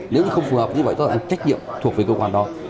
nếu như không phù hợp thì tất cả là trách nhiệm thuộc về cơ quan đó